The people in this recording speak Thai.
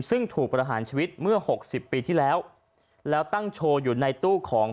ซึ่งถูกประหารชีวิตเมื่อหกสิบปีที่แล้วแล้วตั้งโชว์อยู่ในตู้ของ